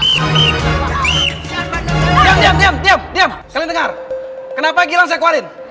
diam diam diam kalian dengar kenapa gilang sekwarin